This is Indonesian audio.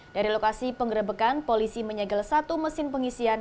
dari lokasi penggerebekan polisi menyegel satu mesin pengisian